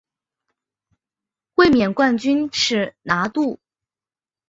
卫冕冠军是拿度。